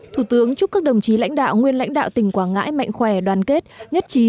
thủ tướng chúc các đồng chí lãnh đạo nguyên lãnh đạo tỉnh quảng ngãi mạnh khỏe đoàn kết nhất trí